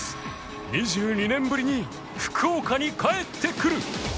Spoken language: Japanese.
２２年ぶりに福岡に帰ってくる！